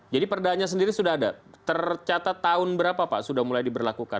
jadi perdanya sendiri sudah ada tercatat tahun berapa pak sudah mulai diberlakukan